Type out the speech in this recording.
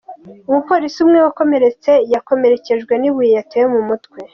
Umupolisi umwe wakomereketse, yakomerekejwe n’ibuye yatewe mu mutwe.